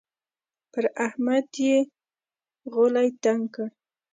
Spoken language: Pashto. پر احمد يې غولی تنګ کړ.